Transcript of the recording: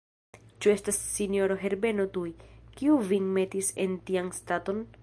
Ĉu estas sinjoro Herbeno tiu, kiu vin metis en tian staton?